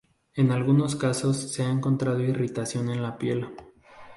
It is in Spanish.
En algunos casos se ha encontrado irritación en la piel.